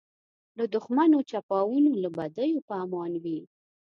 له دښمنو چپاوونو له بدیو په امان وي.